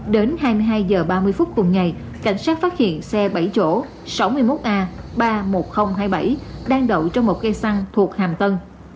đến hai mươi hai h ba mươi phút cùng ngày cảnh sát phát hiện xe bảy chỗ sáu mươi một a ba mươi một nghìn hai mươi bảy đang đậu trong một cây xăng thuộc hàm tân